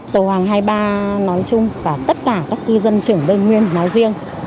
tổ hàng hai mươi ba nói chung và tất cả các cư dân trưởng đơn nguyên nói riêng